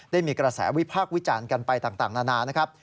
ได้มีกระแสวิพากษ์วิจารณ์กันไปต่างนานานะครับ